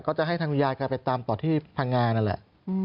ก็จะให้ทางคุณยายแกไปตามต่อที่พังงานั่นแหละ